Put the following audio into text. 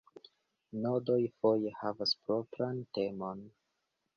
Nodoj foje havas propran temon.